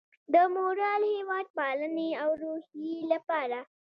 د مورال، هیواد پالنې او روحیې لپاره